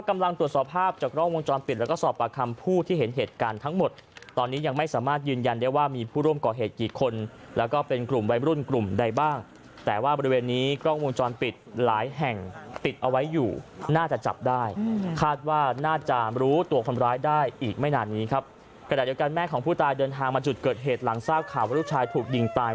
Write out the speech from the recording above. ไม่นานนี้ครับกระดาษเดียวกันแม่ของผู้ตายเดินทางมาจุดเกิดเหตุหลังทราบข่าวว่าลูกชายถูกหญิงตาย